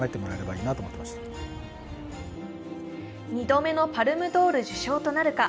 ２度目のパルムドール受賞となるか。